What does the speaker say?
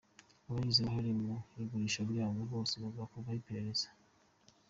Abagize uruhare mu igurishwa ryazo bose bazakorwaho iperereza.